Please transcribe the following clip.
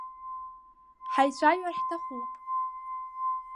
Ҳаицәажәар ҳҭахуп.